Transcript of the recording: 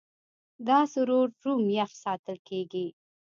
دا سرور روم یخ ساتل کېږي.